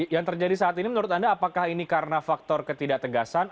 yang terjadi saat ini menurut anda apakah ini karena faktor ketidak tegasan